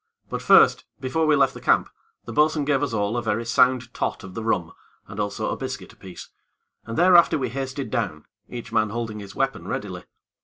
But first, before we left the camp, the bo'sun gave us all a very sound tot of the rum, and also a biscuit apiece, and thereafter we hasted down, each man holding his weapon readily.